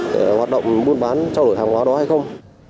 để hoạt động buôn bán trao đổi hàng hóa đó hay không